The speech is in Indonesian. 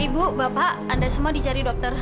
ibu bapak anda semua dicari dokter